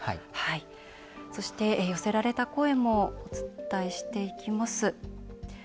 そして、寄せられた声もお伝えしていきます。